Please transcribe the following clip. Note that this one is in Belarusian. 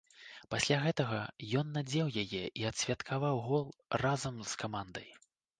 Пасля гэтага ён надзеў яе і адсвяткаваў гол разам з камандай.